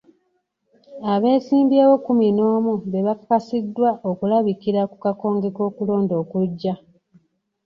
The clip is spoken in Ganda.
Abeesimbyewo kumi n'omu be bakakasiddwa okulabikira ku kakonge k'okulonda okujja.